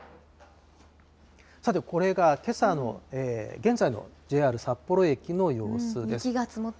さて、これがけさの現在のＪＲ札幌駅の様子です。